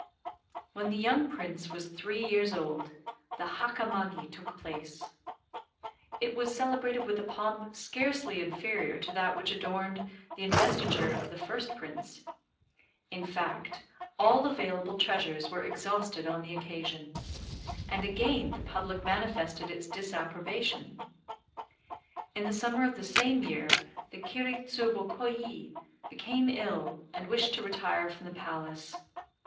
When the young Prince was three years old the Hakamagi took place. It was celebrated with a pomp scarcely inferior to that which adorned the investiture of the first Prince. In fact, all available treasures were exhausted on the occasion. And again the public manifested its disapprobation. In the summer of the same year the Kiri Tsubo Kôyi became ill, and wished to retire from the palace.